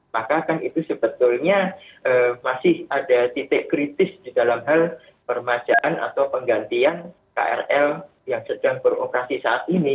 maka kan itu sebetulnya masih ada titik kritis di dalam hal permajaan atau penggantian krl yang sedang beroperasi saat ini